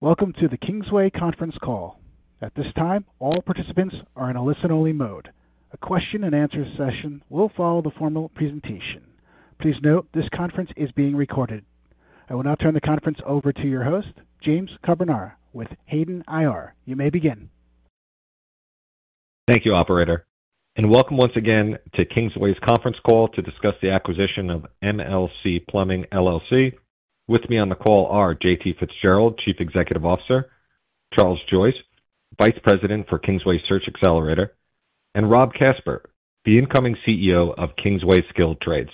Welcome to the Kingsway conference call. At this time, all participants are in a listen-only mode. A question-and-answer session will follow the formal presentation. Please note this conference is being recorded. I will now turn the conference over to your host, James Carbonara, with Hayden IR. You may begin. Thank you, Operator. Welcome once again to Kingsway's conference call to discuss the acquisition of MLC Plumbing LLC. With me on the call are J.T. Fitzgerald, Chief Executive Officer; Charles Joyce, Vice President for Kingsway Search Xcelerator; and Rob Kasper, the incoming CEO of Kingsway Skilled Trades.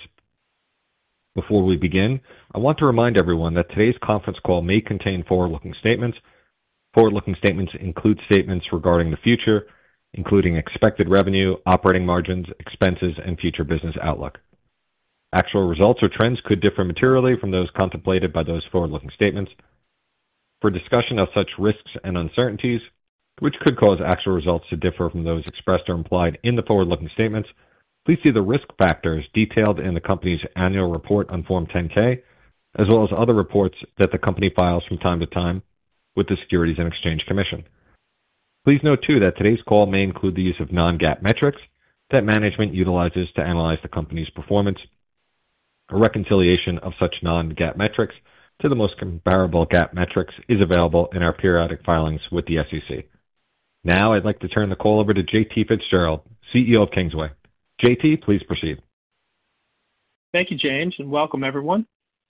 Before we begin, I want to remind everyone that today's conference call may contain forward-looking statements. Forward-looking statements include statements regarding the future, including expected revenue, operating margins, expenses, and future business outlook. Actual results or trends could differ materially from those contemplated by those forward-looking statements. For discussion of such risks and uncertainties, which could cause actual results to differ from those expressed or implied in the forward-looking statements, please see the risk factors detailed in the company's annual report on Form 10-K, as well as other reports that the company files from time to time with the Securities and Exchange Commission. Please note too that today's call may include the use of non-GAAP metrics that management utilizes to analyze the company's performance. A reconciliation of such non-GAAP metrics to the most comparable GAAP metrics is available in our periodic filings with the SEC. Now, I'd like to turn the call over to J.T. Fitzgerald, CEO of Kingsway. J.T., please proceed. Thank you, James, and welcome, everyone.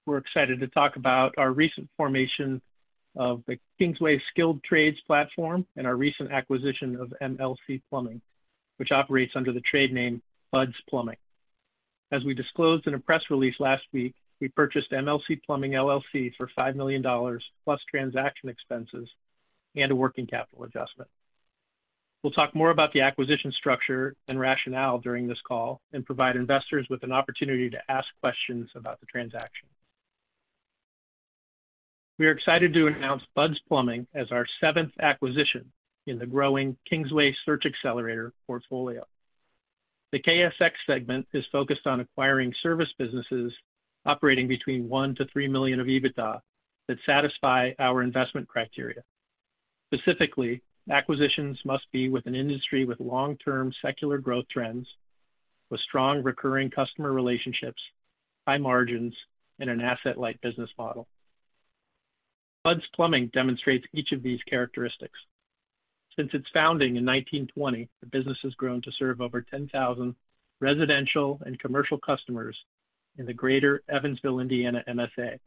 We're excited to talk about our recent formation of the Kingsway Skilled Trades platform and our recent acquisition of MLC Plumbing, which operates under the trade name Bud's Plumbing. As we disclosed in a press release last week, we purchased MLC Plumbing LLC for $5 million, plus transaction expenses and a working capital adjustment. We'll talk more about the acquisition structure and rationale during this call and provide investors with an opportunity to ask questions about the transaction. We are excited to announce Bud's Plumbing as our seventh acquisition in the growing Kingsway Search Xcelerator portfolio. The KSX segment is focused on acquiring service businesses operating between $1 million-$3 million of EBITDA that satisfy our investment criteria. Specifically, acquisitions must be with an industry with long-term secular growth trends, with strong recurring customer relationships, high margins, and an asset-light business model. Bud's Plumbing demonstrates each of these characteristics. Since its founding in 1920, the business has grown to serve over 10,000 residential and commercial customers in the greater Evansville, Indiana, MSA.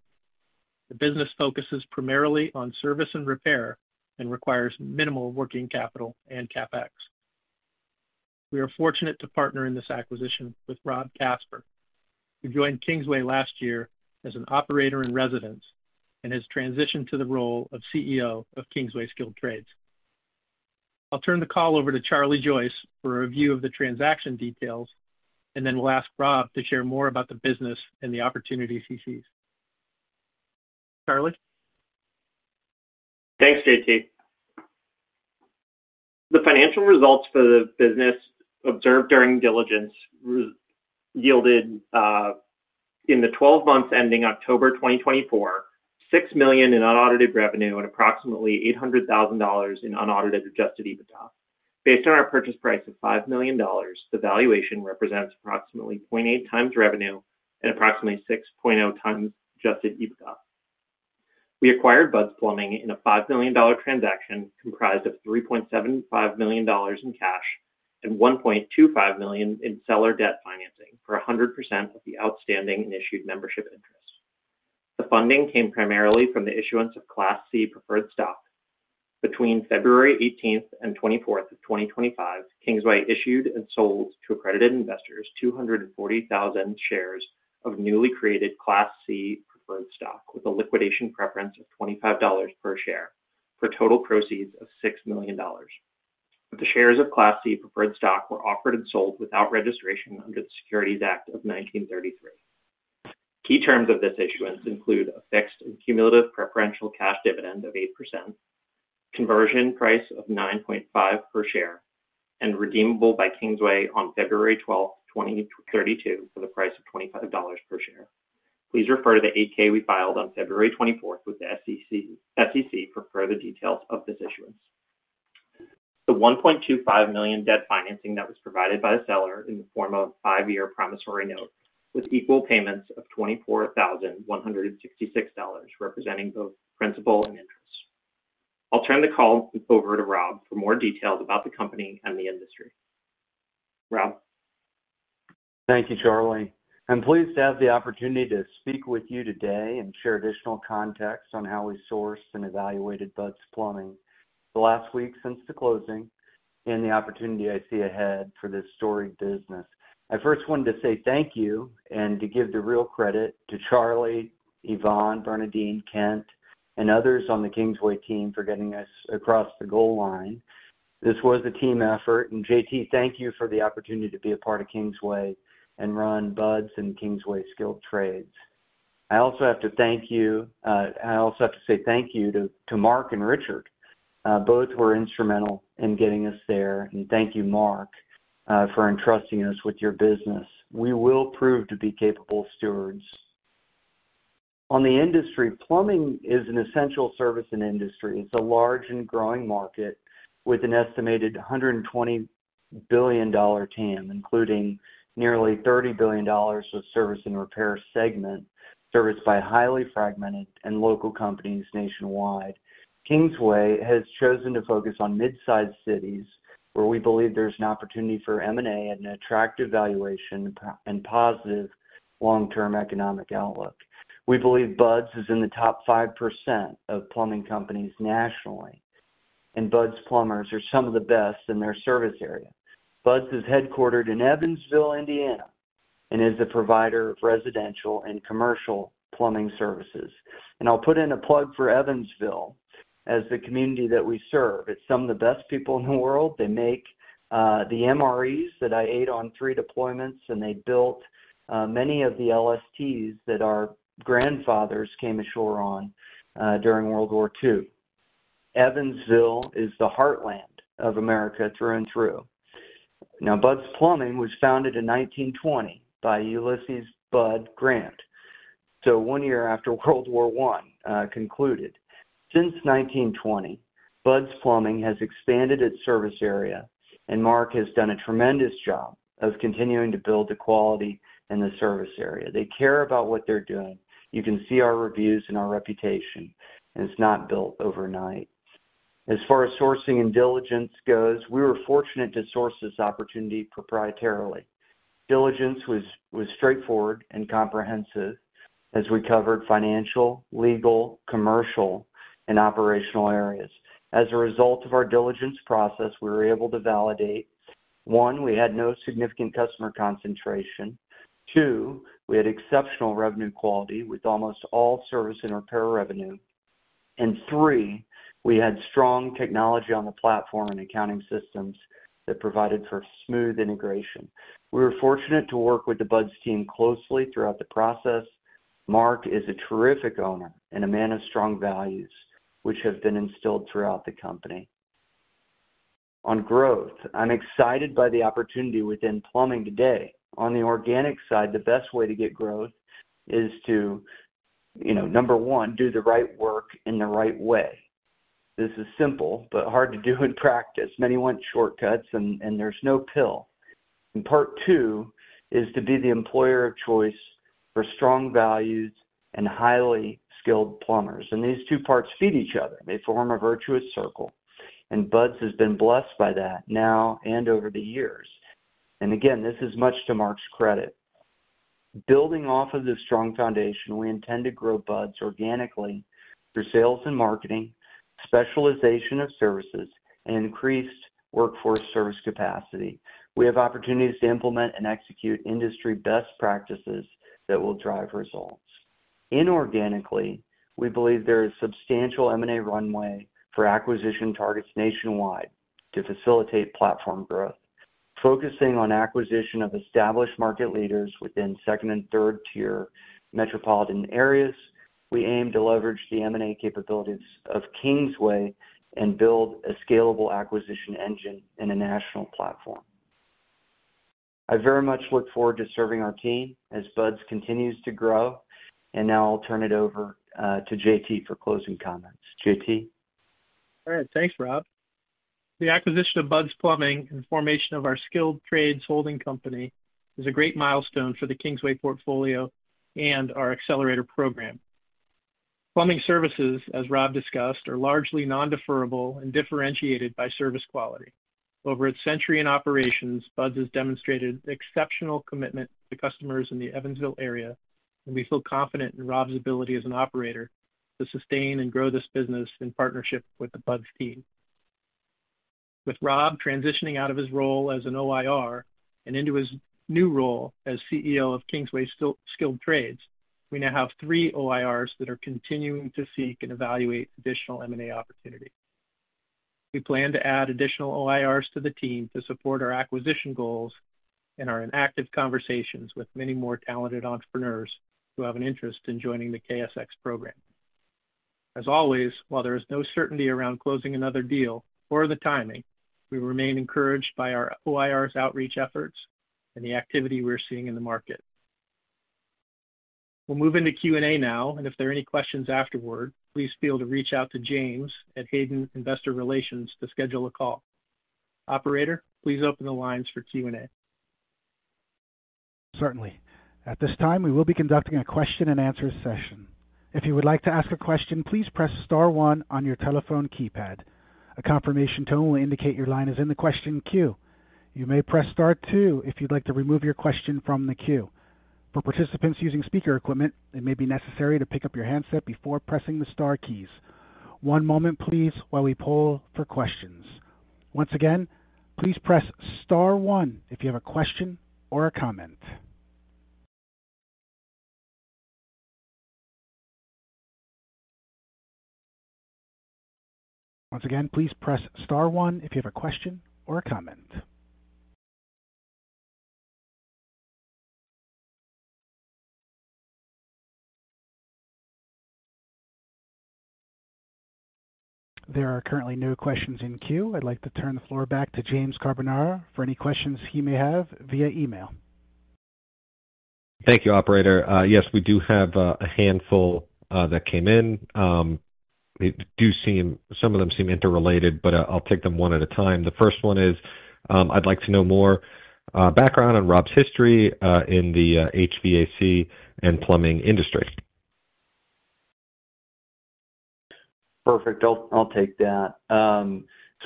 The business focuses primarily on service and repair and requires minimal working capital and CapEx. We are fortunate to partner in this acquisition with Rob Kasper, who joined Kingsway last year as an Operator in Residence and has transitioned to the role of CEO of Kingsway Skilled Trades. I'll turn the call over to Charlie Joyce for a review of the transaction details, and then we'll ask Rob to share more about the business and the opportunities he sees. Charlie. Thanks, J.T. The financial results for the business observed during diligence yielded, in the 12 months ending October 2024, $6 million in unaudited revenue and approximately $800,000 in unaudited adjusted EBITDA. Based on our purchase price of $5 million, the valuation represents approximately 0.8x revenue and approximately 6.0x adjusted EBITDA. We acquired Bud's Plumbing in a $5 million transaction comprised of $3.75 million in cash and $1.25 million in seller debt financing for 100% of the outstanding and issued membership interest. The funding came primarily from the issuance of Class C preferred stock. Between February 18th and 24th of 2025, Kingsway issued and sold to accredited investors 240,000 shares of newly created Class C preferred stock with a liquidation preference of $25 per share for a total proceeds of $6 million. The shares of Class C preferred stock were offered and sold without registration under the Securities Act of 1933. Key terms of this issuance include a fixed and cumulative preferential cash dividend of 8%, conversion price of $9.5 per share, and redeemable by Kingsway on February 12th, 2032, for the price of $25 per share. Please refer to the 8-K we filed on February 24th with the SEC for further details of this issuance. The $1.25 million debt financing that was provided by the seller in the form of a five-year promissory note with equal payments of $24,166 representing both principal and interest. I'll turn the call over to Rob for more details about the company and the industry. Rob. Thank you, Charlie. I'm pleased to have the opportunity to speak with you today and share additional context on how we sourced and evaluated Bud's Plumbing the last week since the closing and the opportunity I see ahead for this storied business. I first wanted to say thank you and to give the real credit to Charlie, Yvonne, Bernadine, Kent, and others on the Kingsway team for getting us across the goal line. This was a team effort, and J.T., thank you for the opportunity to be a part of Kingsway and run Bud's and Kingsway Skilled Trades. I also have to thank you; I also have to say thank you to Mark and Richard. Both were instrumental in getting us there, and thank you, Mark, for entrusting us with your business. We will prove to be capable stewards. On the industry, plumbing is an essential service in industry. It's a large and growing market with an estimated $120 billion TAM, including nearly $30 billion with service and repair segment, serviced by highly fragmented and local companies nationwide. Kingsway has chosen to focus on mid-sized cities where we believe there's an opportunity for M&A at an attractive valuation and positive long-term economic outlook. We believe Bud's is in the top 5% of plumbing companies nationally, and Bud's plumbers are some of the best in their service area. Bud's is headquartered in Evansville, Indiana, and is a provider of residential and commercial plumbing services. I'll put in a plug for Evansville as the community that we serve. It's some of the best people in the world. They make the MREs that I ate on three deployments, and they built many of the LSTs that our grandfathers came ashore on during World War II. Evansville is the heartland of America through and through. Now, Bud's Plumbing was founded in 1920 by Ulysses Bud Grant, so one year after World War I concluded. Since 1920, Bud's Plumbing has expanded its service area, and Mark has done a tremendous job of continuing to build the quality in the service area. They care about what they're doing. You can see our reviews and our reputation, and it's not built overnight. As far as sourcing and diligence goes, we were fortunate to source this opportunity proprietarily. Diligence was straightforward and comprehensive as we covered financial, legal, commercial, and operational areas. As a result of our diligence process, we were able to validate: one, we had no significant customer concentration; two, we had exceptional revenue quality with almost all service and repair revenue; and three, we had strong technology on the platform and accounting systems that provided for smooth integration. We were fortunate to work with the Bud's team closely throughout the process. Mark is a terrific owner and a man of strong values, which have been instilled throughout the company. On growth, I'm excited by the opportunity within plumbing today. On the organic side, the best way to get growth is to, number one, do the right work in the right way. This is simple but hard to do in practice. Many want shortcuts, and there's no pill. Part two is to be the employer of choice for strong values and highly skilled plumbers. These two parts feed each other. They form a virtuous circle, and Bud's has been blessed by that now and over the years. This is much to Mark's credit. Building off of this strong foundation, we intend to grow Bud's organically through sales and marketing, specialization of services, and increased workforce service capacity. We have opportunities to implement and execute industry best practices that will drive results. Inorganically, we believe there is a substantial M&A runway for acquisition targets nationwide to facilitate platform growth. Focusing on acquisition of established market leaders within second and third-tier metropolitan areas, we aim to leverage the M&A capabilities of Kingsway and build a scalable acquisition engine in a national platform. I very much look forward to serving our team as Bud's continues to grow, and now I'll turn it over to J.T. for closing comments. J.T. All right. Thanks, Rob. The acquisition of Bud's Plumbing and the formation of our Skilled Trades holding company is a great milestone for the Kingsway portfolio and our Xcelerator program. Plumbing services, as Rob discussed, are largely non-deferrable and differentiated by service quality. Over its century in operations, Bud's has demonstrated exceptional commitment to customers in the Evansville area, and we feel confident in Rob's ability as an operator to sustain and grow this business in partnership with the Bud's team. With Rob transitioning out of his role as an OIR and into his new role as CEO of Kingsway Skilled Trades, we now have three OIRs that are continuing to seek and evaluate additional M&A opportunities. We plan to add additional OIRs to the team to support our acquisition goals and our active conversations with many more talented entrepreneurs who have an interest in joining the KSX program. As always, while there is no certainty around closing another deal or the timing, we remain encouraged by our OIRs' outreach efforts and the activity we're seeing in the market. We'll move into Q&A now, and if there are any questions afterward, please feel free to reach out to James at Hayden IR to schedule a call. Operator, please open the lines for Q&A. Certainly. At this time, we will be conducting a question-and-answer session. If you would like to ask a question, please press star one on your telephone keypad. A confirmation tone will indicate your line is in the question queue. You may press star two if you'd like to remove your question from the queue. For participants using speaker equipment, it may be necessary to pick up your handset before pressing the star keys. One moment, please, while we poll for questions. Once again, please press star one if you have a question or a comment. Once again, please press star one if you have a question or a comment. There are currently no questions in queue. I'd like to turn the floor back to James Carbonara for any questions he may have via email. Thank you, Operator. Yes, we do have a handful that came in. Some of them seem interrelated, but I'll take them one at a time. The first one is, "I'd like to know more background on Rob's history in the HVAC and plumbing industry." Perfect. I'll take that.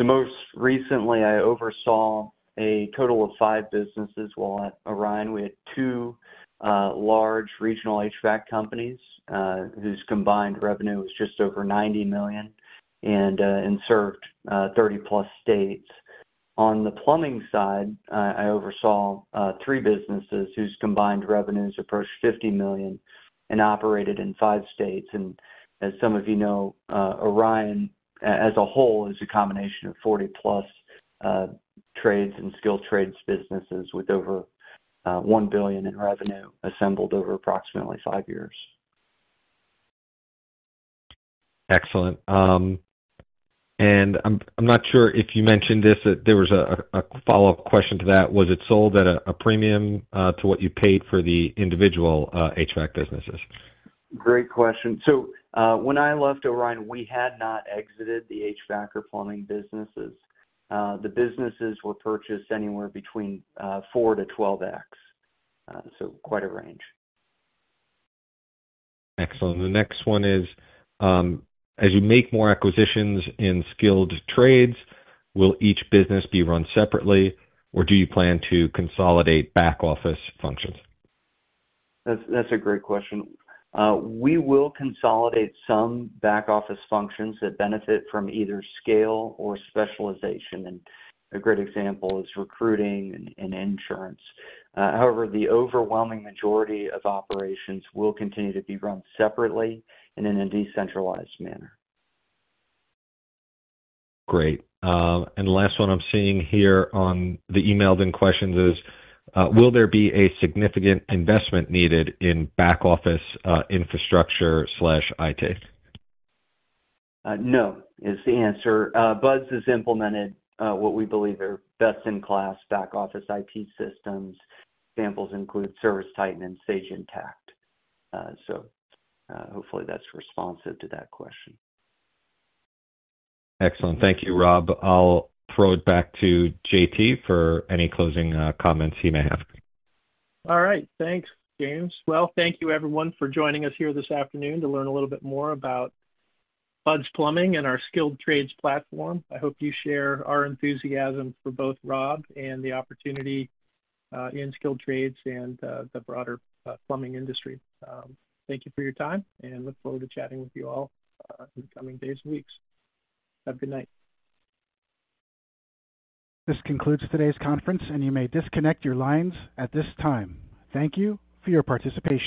Most recently, I oversaw a total of five businesses while at Orion. We had two large regional HVAC companies whose combined revenue was just over $90 million and served 30-plus states. On the plumbing side, I oversaw three businesses whose combined revenues approached $50 million and operated in five states. As some of you know, Orion as a whole is a combination of 40+ trades and skilled trades businesses with over $1 billion in revenue assembled over approximately five years. Excellent. I'm not sure if you mentioned this, but there was a follow-up question to that. Was it sold at a premium to what you paid for the individual HVAC businesses? Great question. When I left Orion, we had not exited the HVAC or plumbing businesses. The businesses were purchased anywhere between 4x-12x, so quite a range. Excellent. The next one is, "As you make more acquisitions in skilled trades, will each business be run separately, or do you plan to consolidate back-office functions?" That's a great question. We will consolidate some back-office functions that benefit from either scale or specialization. A great example is recruiting and insurance. However, the overwhelming majority of operations will continue to be run separately and in a decentralized manner. Great. The last one I'm seeing here on the emailed-in questions is, "Will there be a significant investment needed in back-office infrastructure/IT?" No. Is the answer. Bud's has implemented what we believe are best-in-class back-office IT systems. Examples include ServiceTitan and Sage Intacct. Hopefully, that's responsive to that question. Excellent. Thank you, Rob. I'll throw it back to J.T. for any closing comments he may have. All right. Thanks, James. Thank you, everyone, for joining us here this afternoon to learn a little bit more about Bud's Plumbing and our Skilled Trades platform. I hope you share our enthusiasm for both Rob and the opportunity in skilled trades and the broader plumbing industry. Thank you for your time, and look forward to chatting with you all in the coming days and weeks. Have a good night. This concludes today's conference, and you may disconnect your lines at this time. Thank you for your participation.